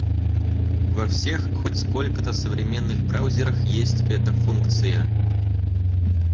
Во всех хоть сколько-то современных браузерах есть эта функция.